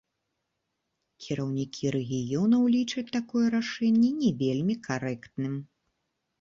Кіраўнікі рэгіёнаў лічаць такое рашэнне не вельмі карэктным.